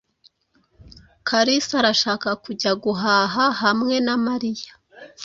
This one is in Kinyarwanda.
Kalisa arashaka kujya guhaha hamwe na Mariya.